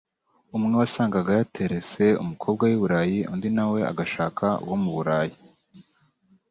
umwe wasangaga yaterese umukobwa w’i Burayi undi nawe agashaka uwo mu Burayi